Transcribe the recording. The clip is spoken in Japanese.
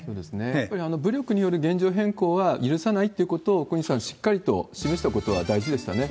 やっぱり武力による現状変更は許さないということを小西さん、しっかりと示しておくことは大事ですね。